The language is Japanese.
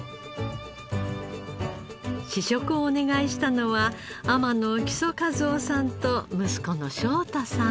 試食をお願いしたのは海士の木曽一男さんと息子の翔太さん。